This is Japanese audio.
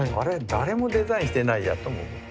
誰もデザインしてないやとも思った。